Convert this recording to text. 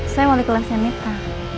saya mau kelas emita